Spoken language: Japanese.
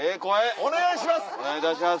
お願いします！